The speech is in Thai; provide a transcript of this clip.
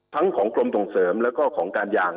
ของกรมส่งเสริมแล้วก็ของการยาง